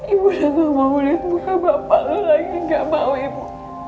ibu udah ga mau liat muka bapak lo lagi ga mau ibu